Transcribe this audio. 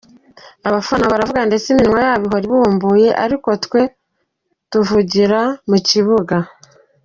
Abafana baravuga ndetse iminwa yabo ihora ibumbuye, ariko twe tuvugira mu kibuga.